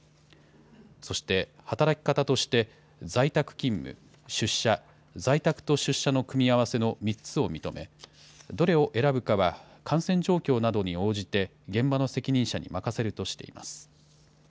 そして働き方として、在宅勤務、出社、在宅と出社の組み合わせの３つを認め、どれを選ぶかは感染状況などに応じて、現場の責任者に任せるとしています。